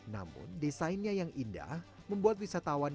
namun desainnya yang indah membuat wisatawan